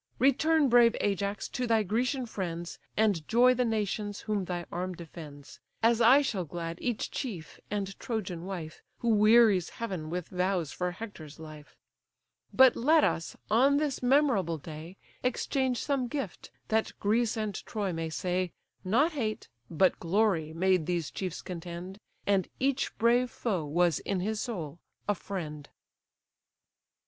Return, brave Ajax, to thy Grecian friends, And joy the nations whom thy arm defends; As I shall glad each chief, and Trojan wife, Who wearies heaven with vows for Hector's life. But let us, on this memorable day, Exchange some gift: that Greece and Troy may say, 'Not hate, but glory, made these chiefs contend; And each brave foe was in his soul a friend.